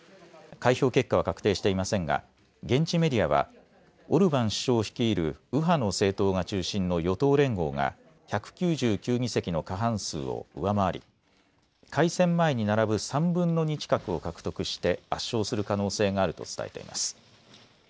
開票結果は確定していませんが現地メディアはオルバン首相率いる右派の政党が中心の与党連合が１９９議席の過半数を上回り改選前に並ぶ３分の２近くを獲得して圧勝する可能性があると伝えています。